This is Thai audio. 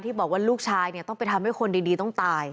ที่บอกว่าลูกชายต้องทำให้คนดีต้องตาย